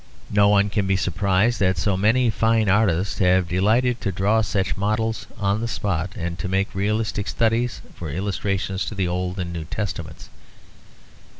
No one can be surprised that so many fine artists have delighted to draw such models on the spot, and to make realistic studies for illustrations to the Old and New Testaments.